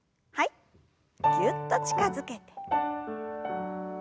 ぎゅっと近づけて。